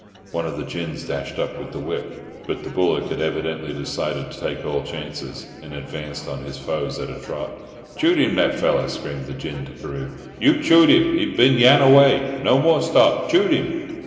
One of the gins dashed up with the whip; but the bullock had evidently decided to take all chances, and advanced on his foes at a trot. "Choot him, that feller!" screamed the gin to Carew. "You choot him! He bin yan away! No more stop! Choot him!"